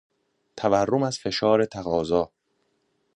تورم از فشار تقاضا